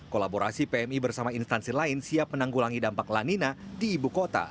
kolaborasi pmi bersama instansi lain siap menanggulangi dampak lanina di ibu kota